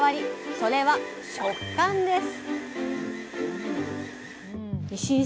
それは食感です